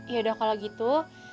yaudah kalo gitu